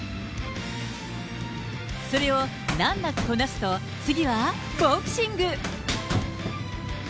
それをなんなくこなすと、次はボクシング。